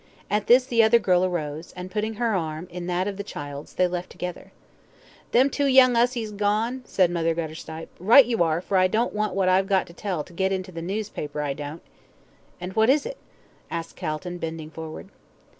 At this, the other girl arose, and, putting her arm in that of the child's, they left together. "Them two young 'usseys gone?" said Mother Guttersnipe. "Right you are, for I don't want what I've got to tell to git into the noospaper, I don't." "And what is it?" asked Calton, bending forward.